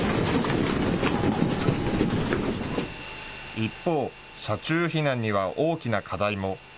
一方、車中避難には大きな課題も。